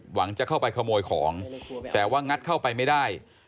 จะเข้าไปขโมยของแต่ว่างัดเข้าไปไม่ได้